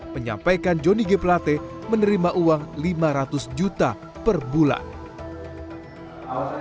menyampaikan jonny g plate menerima uang lima ratus juta per bulan